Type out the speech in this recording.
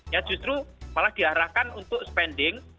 ya justru malah diarahkan untuk spending